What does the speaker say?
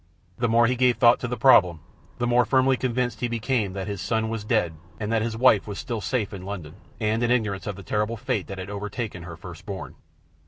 The more he gave thought to the problem, the more firmly convinced he became that his son was dead and his wife still safe in London, and in ignorance of the terrible fate that had overtaken her first born.